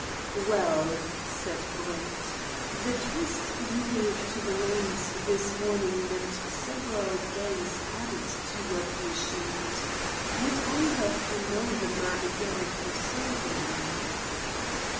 "Well," said Brett, "the twist you gave to the reins this morning meant several days added to your pay sheet. Would either of you know the man again if you saw him?"